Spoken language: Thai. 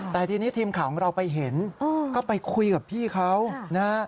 แต่ทีนี้ทีมข่าวของเราไปเห็นก็ไปคุยกับพี่เขานะฮะ